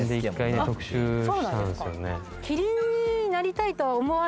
あっそうなんですか